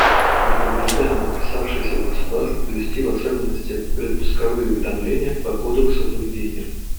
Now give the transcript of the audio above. Мы побуждаем подписавшиеся государства блюсти, в особенности, предпусковые уведомления по Кодексу поведения.